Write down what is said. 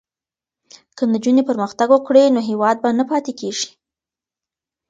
که نجونې پرمختګ وکړي نو هیواد به نه پاتې کېږي.